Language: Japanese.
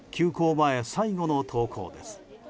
前最後の登校です。